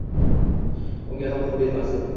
Unga ham qurbi yetmas edi.